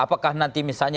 apakah nanti misalnya